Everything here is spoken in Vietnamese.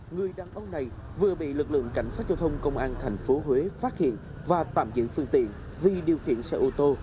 người đàn ông này vừa bị lực lượng cảnh sát giao thông công an tp huế phát hiện và tạm giữ phương tiện vì điều khiển xe ô tô